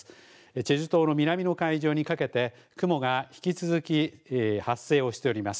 チェジュ島の南の海上にかけて、雲が引き続き発生をしております。